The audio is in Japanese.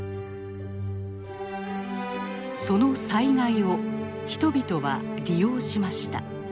その災害を人々は利用しました。